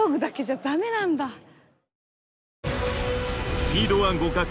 スピードは互角。